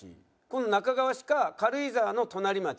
この那珂川市か軽井沢の隣町